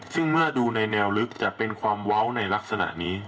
ซึ่งเมื่อดูในแนวลึกจะเป็นความเว้าในลักษณะนี้